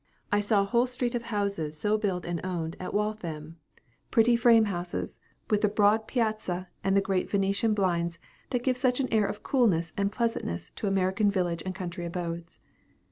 I saw a whole street of houses so built and owned, at Waltham; pretty frame houses, with the broad piazza, and the green Venitian blinds, that give such an air of coolness and pleasantness to American village and country abodes.